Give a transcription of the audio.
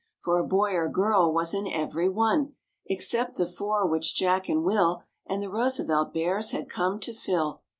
For a boy or girl was in every one Except the four which Jack and Will And the Roosevelt Bears had come to fill.